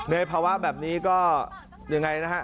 ภาวะแบบนี้ก็ยังไงนะฮะ